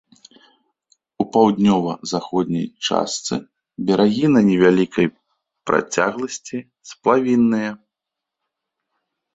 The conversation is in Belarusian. У паўднёва заходняй частцы берагі на невялікай працягласці сплавінныя.